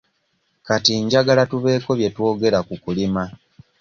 Kati njagala tubeeko bye twogera ku kulima.